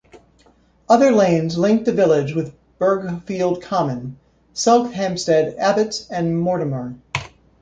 Other lanes link the village with Burghfield Common, Sulhamstead Abbots and Mortimer.